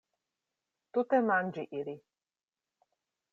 Tute manĝi ili.